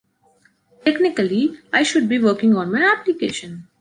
Technically, I should be working on my application.